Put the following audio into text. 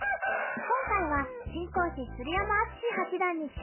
今回は新講師鶴山淳志八段に注目します。